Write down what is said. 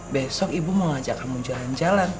besok ibu mau ngajak kamu jalan jalan